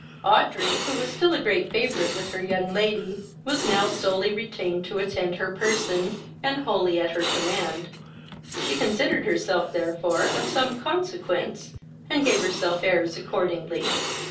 Audrey, who was still a great favourite with her young lady, was now solely retained to attend her person, and wholly at her command. She considered herself therefore of some consequence, and gave herself airs accordingly.